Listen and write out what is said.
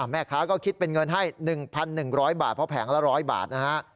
แม่ค้าก็คิดเป็นเงินให้๑๑๐๐บาทเพราะแผงละ๑๐๐บาทนะฮะ